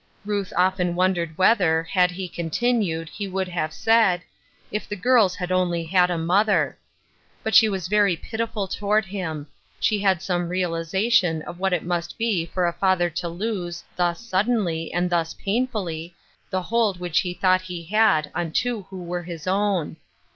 Ruth often wondered whether, had he continued, he would have said, " If the girls had only had a mother !" But she was very pitiful toward him ; she had some realization of what it must be for a father to lose, thus suddenly, and thus painfully, the hold which he thought he had on two who were his own.